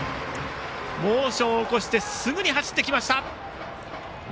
モーションを起こしてすぐに走ってきました。